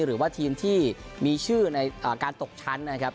หรือว่าทีมที่มีชื่อในการตกชั้นนะครับ